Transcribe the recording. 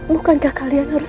bukankah kalian harus